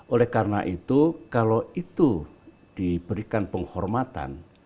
oleh karena itu kalau itu diberikan penghormatan